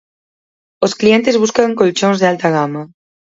Os cliente buscan colchóns de alta gama.